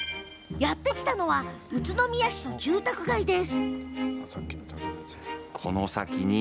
やって来たのは宇都宮市の住宅街です。